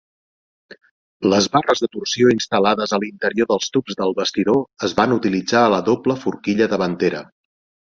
Les barres de torsió instal·lades a l'interior dels tubs del bastidor es van utilitzar a la doble forquilla davantera.